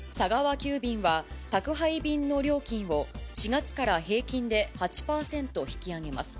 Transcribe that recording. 急便は、宅配便の料金を、４月から平均で８％引き上げます。